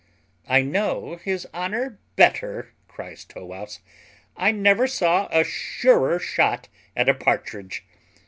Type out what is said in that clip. "I know his honour better," cries Tow wouse; "I never saw a surer shot at a partridge.